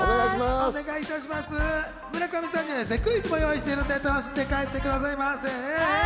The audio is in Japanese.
村上さんにはクイズも用意してますので楽しんでいってくださいね。